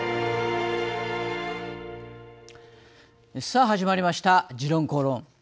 さあ始まりました「時論公論」。